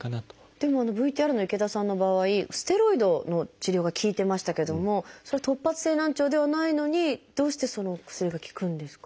でもＶＴＲの池田さんの場合ステロイドの治療が効いてましたけども突発性難聴ではないのにどうしてその薬が効くんですか？